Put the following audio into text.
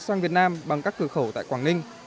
sang việt nam bằng các cửa khẩu tại quảng ninh